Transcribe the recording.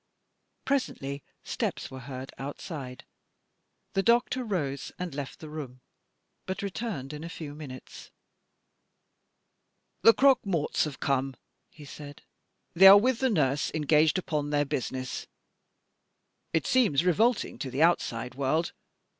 Presently steps were heard outside. The doctor rose and left the room but returned in a few minutes. "The croque morts have come," he said. "They are with the nurse engaged upon their business. It seems revolting to the outside world.